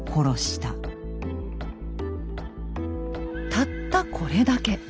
たったこれだけ。